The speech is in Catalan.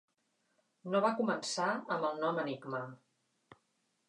No va començar amb el nom "Enigma".